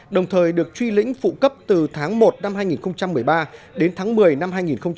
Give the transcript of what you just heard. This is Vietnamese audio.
đồng thời được truy lĩnh phụ cấp từ tháng một năm hai nghìn một mươi ba đến tháng một mươi năm hai nghìn một mươi bảy